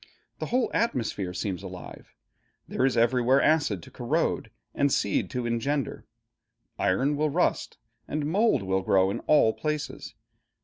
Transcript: The whole atmosphere seems alive. There is everywhere acid to corrode, and seed to engender. Iron will rust, and mold will grow, in all places.